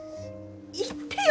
言ってよ